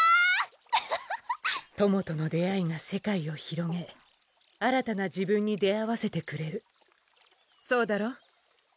アハハ友との出会いが世界を広げ新たな自分に出会わせてくれるそうだろう？